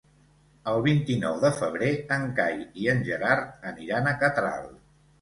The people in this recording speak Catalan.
El vint-i-nou de febrer en Cai i en Gerard aniran a Catral.